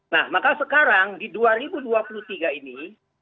nah maka sekarang di dua ribu dua puluh tiga ini